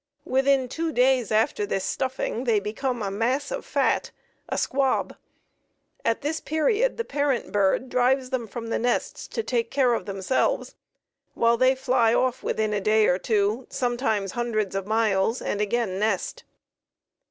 Within two days after the stuffing they become a mass of fat "a squab." At this period the parent bird drives them from the nests to take care of themselves, while they fly off within a day or two, sometimes hundreds of miles, and again nest.